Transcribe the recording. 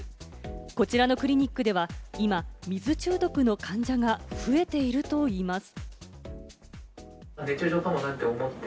こちらのクリニックでは今、水中毒の患者が増えているといいます。